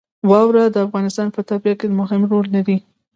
واوره د افغانستان په طبیعت کې مهم رول لري.